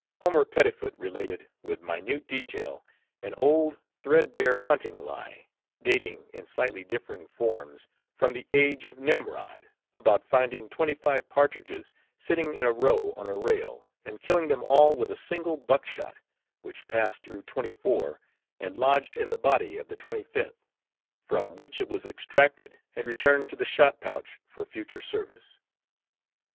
Homer Pettifoot related, with minute detail, an old, threadbare hunting lie, dating, in slightly differing forms, from the age of Nimrod, about finding twenty five partridges sitting in a row on a rail, and killing them all with a single buckshot, which passed through twenty four and lodged in the body of the twenty fifth, from which it was extracted and returned to the shot pouch for future service.